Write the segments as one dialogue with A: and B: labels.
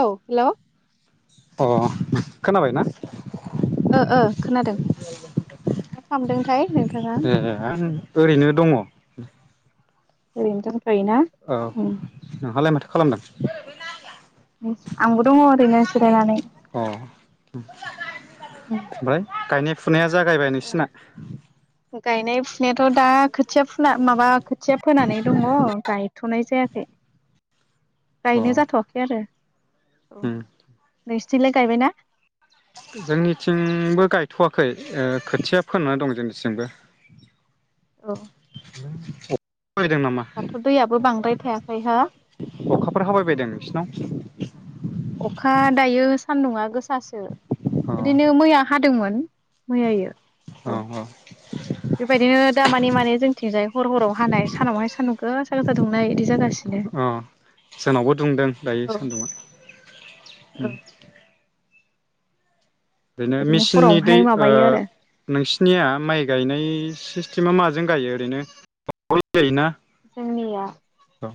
A: औ हेलौ।
B: अ खोनाबायना?
A: ओ ओ खोनादों मा खालाम दोंथाय नों
B: ए आं ओरैनो दङ।
A: ओरैनो दं।
B: औ नों हालाय माथो खालामदों?
A: आंबो दङ ओरैनो जिराय नानै।
B: अ [inaudible] [inaudible] ओमफ्राय गायनाय फु
A: ओ गायनाय फुनायाथ' दा खोथिया फुना माबा खोथिया फोनानै दङ गाय थ'नाय जायाखै।
B: अ
A: गायनाय जाथवाखै आरो। औ
B: उम
A: नों थिंलाय गायबायना?
B: जोंनिथिं बो गायथवाखै ओ खोथिया फोना दं जोंनिथिंबो।
A: औ
B: [inaudible] हाबायदों नामा
A: दाथ' दैयाबो बांद्राय थायाखै हो
B: अखा फोर हाबाय बायदों नोंसिनाव?
A: अखा दायो सान्दुंङा गोसा सो
B: अ
A: बिदिनो
B: औ
A: मैया हा दोंमोन। मैयायो अ। बेबायदिनो दा मानि माने जों थिंजाय हर हराव हानाय सानाव हाय सानदुं गोसा गोसा दुंनाय बिदि जागासिनो
B: औ अ जोंनावबो दुंदों दायो
A: औ
B: सान्दुङा उम
A: औ।
B: बिदिनो
A: बेबायदिनो
B: मेचिननि दै
A: हरावहाय माबायो आरो
B: ओ नोंसिनिया माइ गायनाय सि थिमा माजों गायो ओरैनो [unintelligible] गायोना?
A: जोंनिया
B: दा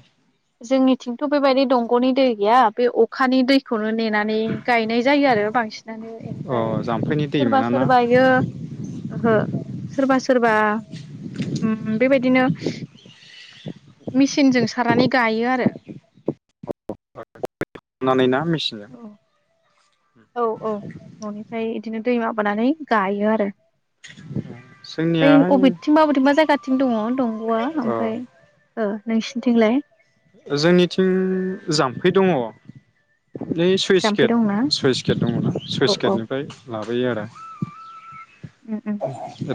A: जोंनि थिंथ' बेबायदि दंग'नि दै गैया बे अखानि दैखौनो नेनानै गायनाय जायो आरो बांसि नानो
B: अ
A: ओमफ्राय
B: जाम्फैनि दै
A: सोरबा
B: मोनाना
A: सोरबायो ओहो सोरबा सोरबा ओम बेबायदिनो मेसिनजों सारानानै गायो आरो।
B: नानै ना मिसिन
A: औ औ न'निफ्राय बिदिनो दै माबानानै गायो आरो। ओइ
B: जोंनियाहाय
A: अबेथिंबा अबेथिंबा जायगाथिं दङ दंग'आ
B: अ
A: ओमफ्राय नोंसिनिथिंलाय
B: जोंनिथिं जाम्फै दङ। नै सुइस
A: जाम्फै
B: गेट
A: दंना
B: सुइस गेट दंना सुइस
A: औ औ
B: गेटनिफ्राय लाबोयो आरो।
A: उम उम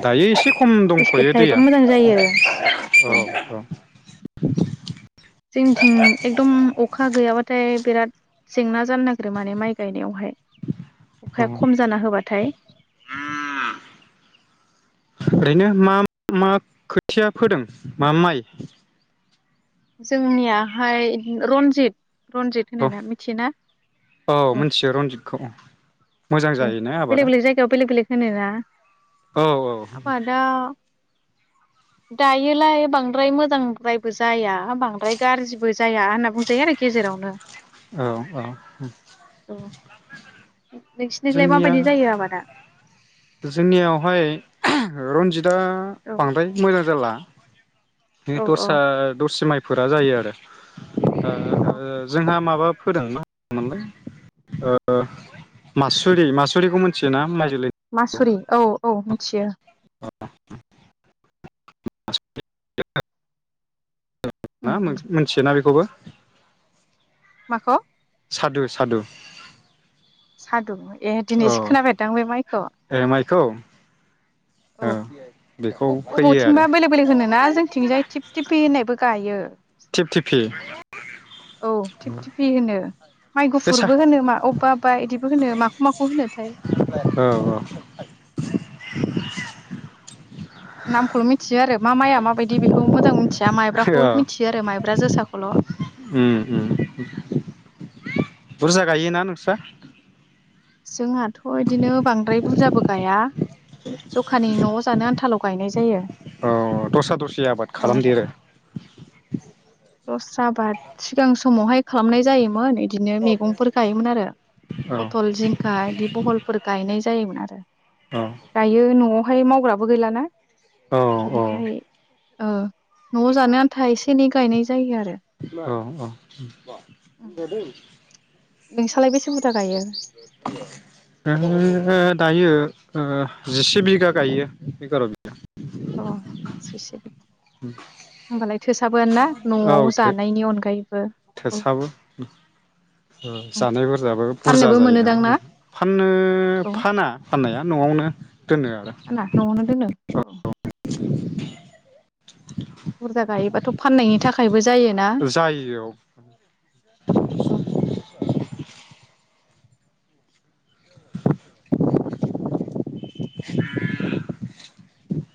B: दायो एसे खम
A: स्लुइस गेट
B: दंथ'यो
A: थायोबा
B: दैया
A: मोजां जायो
B: औ औ। [unintelligible]
A: जोंथिं एकदम अखा गैयाबाथाय बिराद जेंना जानो नागिरो माने माइ गायनायावहाय।
B: औ
A: अखाया खम जाना होबाथाय
B: ओरैनो मा मा खोथिया फोदों? मा माइ।
A: जोंनियाहाय रनजित। रनजित
B: औ
A: होनोना मिथियोना अ
B: औ
A: ओ
B: मिथियो रन्जितखौ।
A: बेलेग बेलेग जायगायाव बेलेक बेलेग होनोना
B: औ औ
A: आबादा दायोलाय बांद्राय मोजांद्रायबो जाया बांद्राय गाज्रिबो जाया होनना बुंजायो आरो गेजेरावनो।
B: औ औ।
A: नोंसिनिथिंलाय
B: जोंनिया
A: माबायदि जायो आबादा?
B: जोंनियावहाय रनजित। दा
A: औ
B: बांद्राय मोजां जाला। बै
A: औ औ
B: दस्रा दस्रि माइ। फोरा जायो आरो।
A: औ
B: जोंहा माबा। ओ मासुरि मासुरिखौ मोनथियोना माइ जोलै।
A: मासुरि औ औ मिथियो।
B: [unintelligible] [unintelligible]
A: उम
B: ना
A: उम
B: मोनथियोना बेखौबो।
A: माखौ।
B: सादु सादु।
A: सादुमोन। ए दिनैसो खोनाफेरदां बे माइखौ।
B: खौ।
A: औ अब अबथिंबा
B: आरो
A: बेलेक बेलेग होनोना जोंथिंजाय थिप थिफि होननायबो। गायो।
B: थिप थिफि
A: औ थिफ थिफि होनो माइ
B: बे सा
A: गुफुरबो होनो मा अबेबा अबबा इदिबो होनो माखौ माखौ होनोथाय।
B: औ [unintelligible]
A: नामखौल' मिथियो आरो। मा माइाया माबायदि बेखौ मोजां मो मिथिया माइब्राखौ
B: औ
A: मिथियो आरो माइब्रा जोसाखौल'।
B: उम उम बुरजा गायोना नोंस्रा?
A: जोंहाथ' इदिनो बांद्राय बुरजाबो गाया जखानि न'आव जानो आनथाल गायनाय जायो।
B: औ दस्रा दस्रि आबाद
A: औ
B: खालामदेरो?
A: दस्रा बाद सिगां समावहाय खालामनाय जायोमोन इदिनो मैगंफोर गायोमोन आरो
B: औ
A: पथल जिंखा बिदि बहलफोर गायनाय जायोमोन आरो
B: औ
A: गायो न'आव फाय मावग्राबो गैलाना।
B: औ
A: बिनिखाय। ओ न'आव जानो आन्था एसे एनै। गायनाय जायो आरो।
B: औ औ।
A: नोंसालाय बेसे बुरजा गायो?
B: ओ दायो ओ जिसे बिगा गायो एगार' बिगा।
A: अ जिसे बि होमबालाय थोसाबो ना
B: बिगा
A: न'आव
B: औ थो
A: जानायनि अनगायैबो। औ
B: थोसाबो जानाय बुरजाबो बुरजा
A: फाननोबो
B: जायो
A: मोनोदां ना
B: नालाय फाननो
A: औ
B: फाना फाननाया न'आवनो [unintelligible] दोनो आरो।
A: अ। नि थाखायबो जायोना
B: जायो औ।
A: औ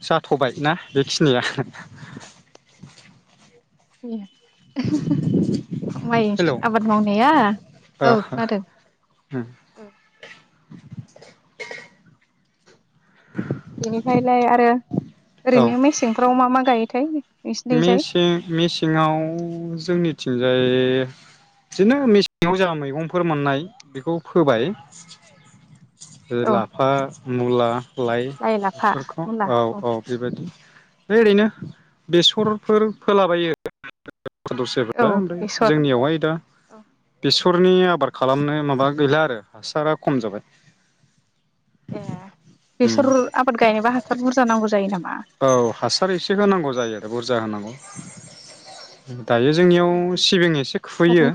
B: जाथ'बाय ना बेखिनिया?
A: ए। माइ
B: हेलौ
A: आबाद मावनाया
B: ओ
A: औ खोनादों औ।
B: [unintelligible]
A: बेनिखायलाय आरो
B: औ
A: ओरैनो मेसेंफ्राव मा मा गायो? थाय
B: मेसें मेसेंङाव जोंनि थिंजाय बिदिनो मेसेङाव जाों मैगंफोर मोननाय बेखौ फोबाय।
A: औ
B: लाफा मुला लाइ बेफोरखौ औ औ बेबायदि बे ओरैनो बेसरफोर फोलाबायो। द दस्राफोरा
A: औ
B: ओमफ्राय
A: बेसर
B: जोंनियावहाय दा
A: औ
B: बिस बेरनि आबाद खालामनो माबा गैला आरो हासारा खम जाबाय।
A: ए
B: उम
A: बेसर आबाद गायनोबा हासार बुरजा नांगौ जायो नामा?
B: औ हासार एसे होनांगौ जायो बुरजा होनांगौ। उम। दायो जोंनियाव सिबिं एसे खुयो।
A: दानि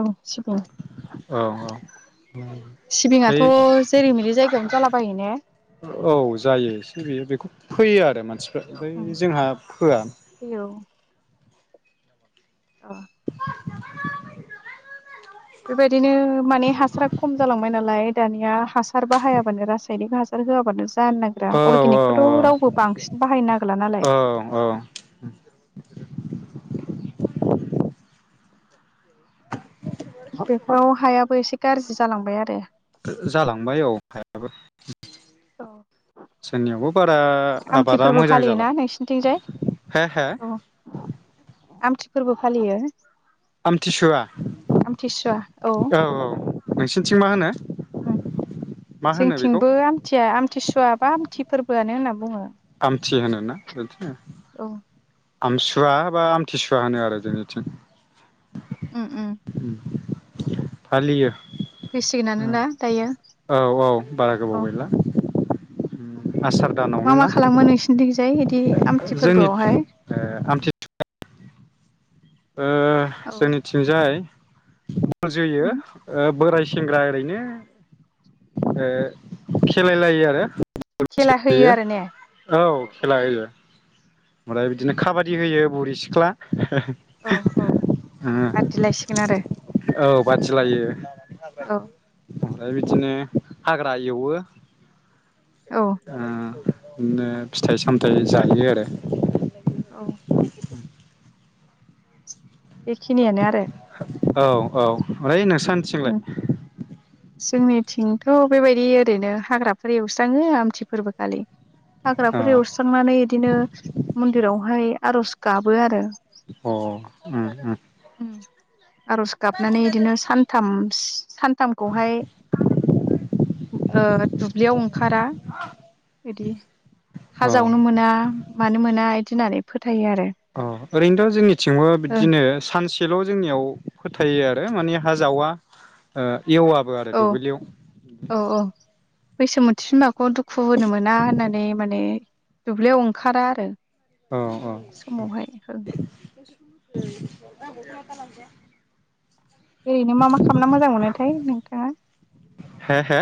A: औ सिबिं
B: औ औ।
A: सिबिङाथ'
B: ओमफ्राय
A: जेरै मेरै जायगायावनो जाला बायो ने?
B: औ जायो एसे बेयो बेखौ फोयो आरो मानसि ओमफ्राय जोंहा फोआ।
A: फैयो औ। अ
B: [inaudible]
A: बेबायदिनो माने हासारा खम जालांबाय नालाय दानिया हासार बाहायाबानो रासायनिक हासार होआबानो जानो नागिरा
B: औ औ
A: अर्गेनिकखौथ' रावबो बांसिन बाहायनो नागिरला नालाय।
B: औ औ
A: बेफोराव हायाबो एसे गाज्रि जालांबाय आरो।
B: जालांबाय औ हायाबो
A: औ
B: जोंनियावबो बारा
A: आमथि
B: आबादा
A: फोरबो
B: मोजां
A: फालियोना
B: जाला
A: नोंसिनिथिंजाय
B: हे हे।
A: औ आमथि फोरबो फालियो।
B: आमथिसुवा
A: आमथिसुवा
B: औ औ। नोंसिनिथिं मा होनो? मा होनो बेखौ
A: जोंनिथिंबो आमथिया आमथिसुवा बा आमथि फोरबोआनो होनना बुङो।
B: आमथि होनोना बिदिनो
A: औ।
B: आमसुवा बा आमथिसुवा होनो आरो जोंनिथिं। उम। फालियो।
A: फैसिगोनानो
B: उम
A: ना दायो
B: औ औ बारा
A: औ
B: गोबाव गैला। आसार
A: मा
B: दानावनो
A: मा
B: ना
A: खालामो नोंसिनिथिंजाय? आमथि
B: जोंनि
A: फोरबोआवहाय
B: ओ आमथिसुवा ओ
A: औ
B: जोंनिथिंजाय फुजियो
A: उम
B: बोराय सेंग्रा ओरैनो ओ खेलायलायो आरो।
A: खेला होयो आरो ने
B: [unintelligible] औ खेला होयो। ओमफ्राय बिदिनो खाबादि होयो। बुरि सिख्ला।
A: औ औ
B: ओ
A: बादिलायसिगोन आरो
B: औ बादिलायो हाग्रा
A: औ
B: एवो ओमफ्राय बिदिनो हाग्रा एवो
A: औ
B: उम बिदिनो फिथाइ सामथायाइ जायो आरो
A: औ बेखिनियानो आरो
B: औ औ ओइ
A: उम
B: नोंसोर नोंसिनिथिंलाय?
A: जोंनिथिंथ' बेबायदि ओरैनो हाग्राफोर एवस्राङो आमथि फोरबोखालि
B: औ
A: हाग्राफोर एवस्रांनानै बिदिनो मन्दिरावहाय आर'ज गाबो आरो
B: अ उम उम
A: उम आरज गाबनानै बिदिनो सान [unintelligible] सानथामखौहाय ओ दुब्लियाव ओंखारा बिदि
B: औ
A: हाजावनो मोना मानो मोना दिनानै फोथा
B: अ ओरैनोथ' जोंनिथिबो बिदिनो
A: ओ
B: सानसे एल' जोंनियाव फोथायो आरो मानि हा जावा ओ एववाबो आरो दुब्लियाव
A: बैसोमोनथि बिमाखौ दुखु होनो मोना होननानै माने दुब्लियाव ओंखारा आरो।
B: अ अ
A: समावहाय ओं
B: [unintelligible]
A: ओरैनो मा मा खामना मोजां मोनोथाय नोंथाङा
B: हे हे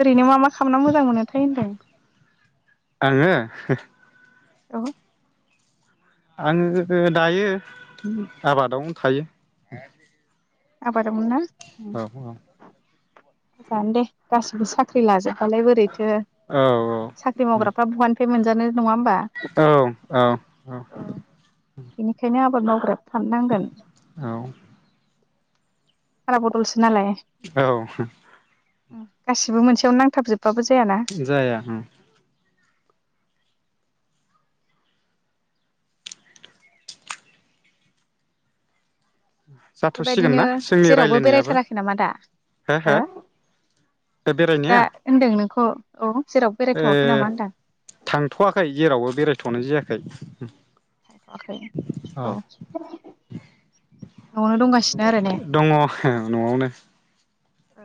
A: ओरैनो मा मा खामना मोजां मोनोथाय होनदों?
B: आङो
A: औ
B: आङो दायो आबादावनो थायो
A: बारना
B: औ औ
A: जानो दे गासिबो साख्रि लाजोब बालाय बोरैथो
B: औ
A: साख्रि मावग्राफ्रा बहानिफ्राय मोनजानो। नङा होमबा
B: औ औ औ
A: बेनिखायनो आबाद मावग्रा थांनांगोन
B: औ
A: फाला बदलसो नालाय
B: औ
A: गासिबो मोनसेयावनो नांथाबजोब
B: जाया उम जाथ'सिगोन
A: बेबायदिनो
B: ना जोंनि
A: जेरावबो
B: रायलायनायाबो
A: बेरायथाराखै नामा दा हो दा
B: बेरायनाया
A: होनदों नों ख औ जेरावबो
B: ओ
A: बेरायथ'वाखै नामा होनदां
B: थांथ'वाखै जेरावबो बेरायथ'नाय जायाखै होद‌ हो
A: थांथ'वाखै औ न'आवनो दंगासिनो आरो ने
B: दङ न'आवनो
A: ओ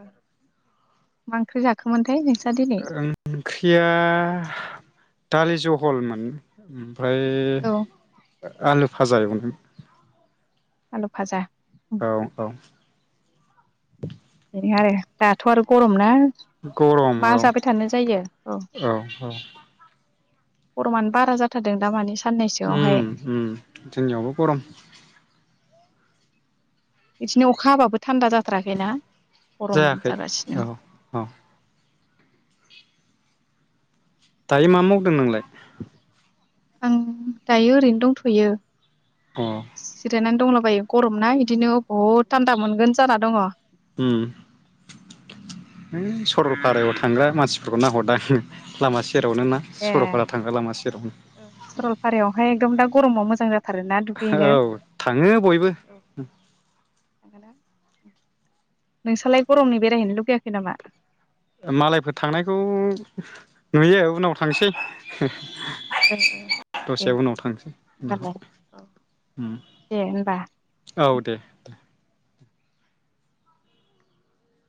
A: मा ओंख्रि जाखोमोनथाय नोंसो
B: ओंख्रिया दालि जहलमोन ओमफ्राय
A: औ
B: आलु भाजा एवनो
A: आलु फाजा
B: औ औ
A: बेै आरो दाथ' आरो गरम ना
B: गरम
A: मा
B: औ
A: जाबाय थानो जायो औ गरमानो बारा जाथारदों दामानि स
B: उम उम जोंनि आवबो गरम
A: बिदिनो अखा हाबाबो थान्दा जाथाराखैना गरम
B: जायाखै
A: जागासिनो
B: औ औ दायो मा मावदों नोंलाय
A: आं दायो ओरैनो दंथ'यो
B: अ
A: जिरायनानै दंलाबायो गरम ना बिदिनो बहुद थान्दा मोनगोन जाना दङ
B: उम सरल पारायाव थांग्रा मानसिफोरखौ नाहरद आङो लामासि सेरावनो ना
A: ए
B: सरलपारा थांग्रा लामा सेरावनो
A: सरलपारायावहाय एकदम दा गरमाव मोजां जा
B: औ थाङो बयबो
A: नोंसोरलाय गरमनि बेरायहैनो लुगैयाखै नामा?
B: मालायफोर थांनायखौ नुयो उनाव थांसै
A: ओ ओ दे
B: दस्रायाव उनाव थांसै उनावहाय
A: होमबालाय औ दे होमबा।
B: औ दे दे